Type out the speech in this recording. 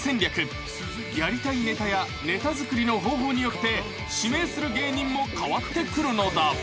［やりたいネタやネタ作りの方法によって指名する芸人も変わってくるのだ］